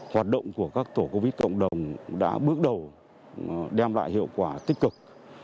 hoạt động của các tổ covid cộng đồng đã bước đầu đem lại hiệu quả tích cực